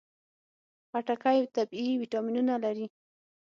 خټکی طبیعي ویټامینونه لري.